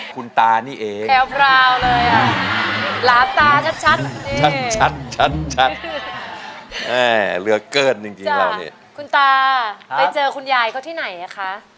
คุณตาไปเจอคุณยายเขาที่ไหนอ่ะคะ